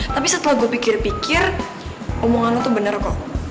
tapi setelah gue pikir pikir omonganku tuh bener kok